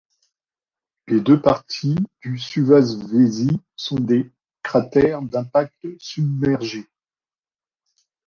Les deux parties du Suvasvesi sont des cratères d'impact submergés.